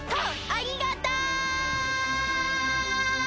ありがとう！